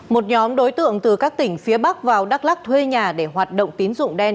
một nhóm đối tượng từ các tỉnh phía bắc vào đắk lắc thuê nhà để hoạt động tín dụng đen